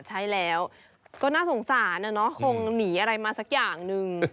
ใช่แล้วก็น่าสงสารนะเนาะคงหนีอะไรมาสักอย่างหนึ่ง